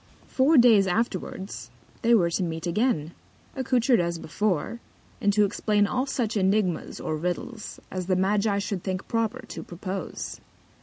Four Days afterwards, they were to meet again, accoutred as before, and to explain all such Ænigmas, or Riddles, as the Magi should think proper to propose.